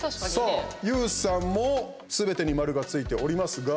ＹＯＵさんもすべてに丸がついておりますが。